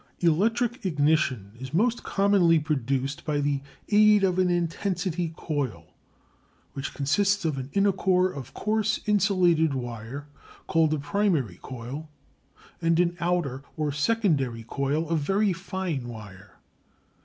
Electrical ignition is most commonly produced by the aid of an intensity coil, which consists of an inner core of coarse insulated wire, called the primary coil; and an outer, or secondary coil, of very fine wire.